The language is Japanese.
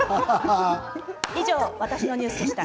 以上「わたしのニュース」でした。